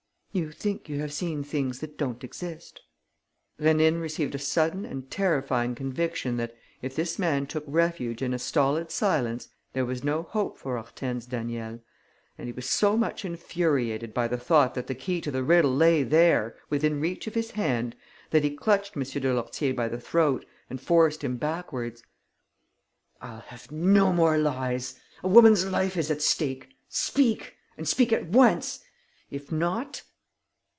"You think you have seen things that don't exist." Rénine received a sudden and terrifying conviction that, if this man took refuge in a stolid silence, there was no hope for Hortense Daniel; and he was so much infuriated by the thought that the key to the riddle lay there, within reach of his hand, that he clutched M. de Lourtier by the throat and forced him backwards: "I'll have no more lies! A woman's life is at stake! Speak ... and speak at once! If not